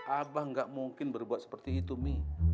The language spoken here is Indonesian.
abah gak mungkin berbuat seperti itu mi